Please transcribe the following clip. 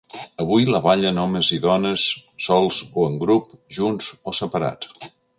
Avui la ballen homes i dones, sols o en grup, junts o separats.